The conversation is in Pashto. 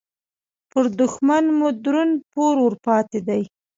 پر دوښمن مو درون پور ورپاتې دې